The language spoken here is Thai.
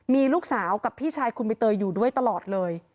มีลูกสาวกับพี่ชายคุณใบเตยอยู่ด้วยตลอดเลย